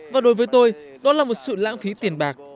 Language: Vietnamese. và đối với tôi đó là một sự lãng phí tiền bạc